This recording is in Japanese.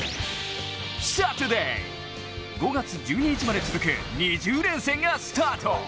５月１２日まで続く、２０連戦がスタート。